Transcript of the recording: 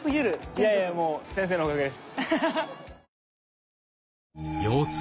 いやいやもう先生のおかげです。